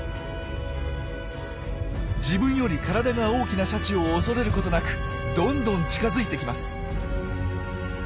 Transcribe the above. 自分より体が大きなシャチを恐れることなくどんどん近づいてきます。